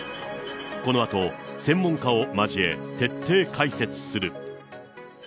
このあと、専門家を交え、徹底解説する。